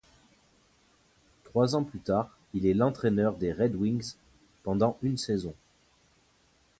Trois ans plus tard, il est l'entraîneur des Red Wings pendant une saison.